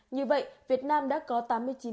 như vậy việt nam đã có tám mươi chín